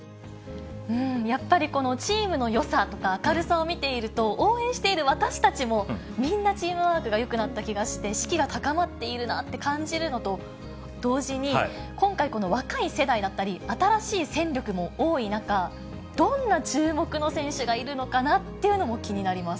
やっぱりこのチームのよさとか、明るさを見ていると、応援している私たちもみんなチームワークがよくなった気がして、士気が高まっているなって感じるのと同時に、今回、この若い世代だったり、新しい戦力も多い中、どんな注目の選手がいるのかなっていうのも気になります。